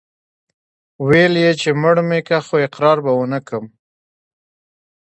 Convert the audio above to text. ويل يې چې مړ مې که خو اقرار به ونه کم.